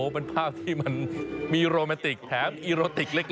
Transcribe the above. เป็นภาพที่มันมีโรแมนติกแถมอีโรติกเล็ก